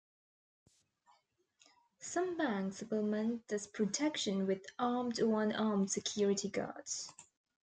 Some banks supplement this protection with armed or unarmed security guards.